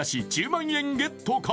１０万円ゲットか？